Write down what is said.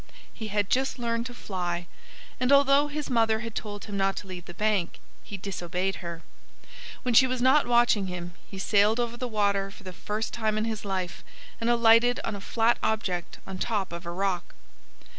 He had just learned to fly. And although his mother had told him not to leave the bank, he disobeyed her. When she was not watching him he sailed over the water for the first time in his life and alighted on a flat object on top of a rock.